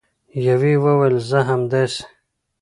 یوې وویل: زه همداسې